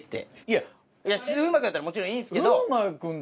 風磨君だったらもちろんいいんですけど。